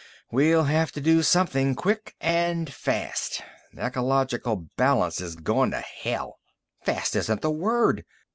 "We'll have to do something quick and fast. Ecological balance is gone to hell." "Fast isn't the word.